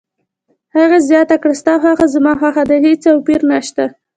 هغې زیاته کړه: ستا خوښه زما خوښه ده، هیڅ توپیر نشته.